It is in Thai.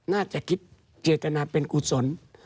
น่าจะคิดเจตนาเป็นกุศล